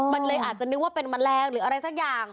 มันเลยอาจจะนึกว่าเป็นแมลงหรืออะไรสักอย่าง